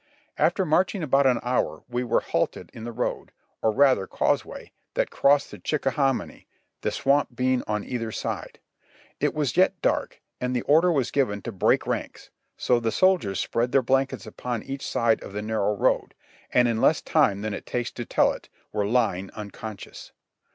After marching about an hour, we were halted in the road — or rather causeway — that crossed the Chicka hominy, the swamp being on either side. It was yet dark, and the order was given to ''break ranks," so the soldiers spread their blankets upon each side of the narrow road, and in less time than it takes to tell it, were lying unconscious.